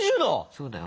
そうだよ。